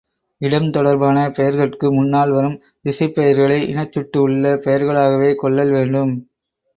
இடம் தொடர்பான பெயர்கட்கு முன்னால் வரும் திசைப் பெயர்களை இனச்சுட்டு உள்ள பெயர்களாகவே கொள்ளல் வேண்டும்.